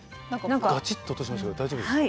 ガチッと音しましたけど大丈夫ですか？